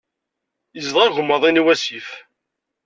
Yezdeɣ agemmaḍ-in i wasif.